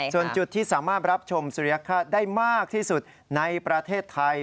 ส่วนจุดที่สามารถรับชมสุริยฆาตได้มากที่สุดในประเทศไทย